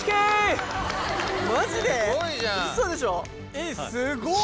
えっすごっ。